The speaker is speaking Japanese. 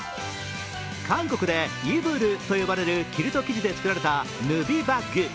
韓国でイブルと呼ばれるキルト生地で作られたヌビバッグ。